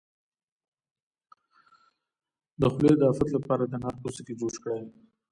د خولې د افت لپاره د انار پوستکی جوش کړئ